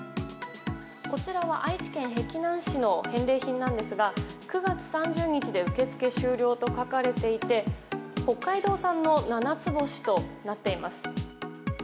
こちらは愛知県碧南市の返礼品なんですが９月３０日で受け付け終了と書かれていて北海道産のななつぼしとなっています。